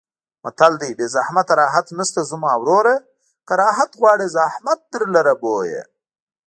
متل دی: بې زحمته راحت نشته زما وروره که راحت غواړې زحمت درلره بویه.